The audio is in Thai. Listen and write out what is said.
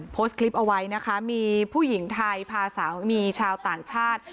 โพสต์คลิปเอาไว้นะคะมีผู้หญิงไทยพาสามีชาวต่างชาติ